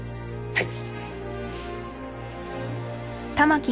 はい。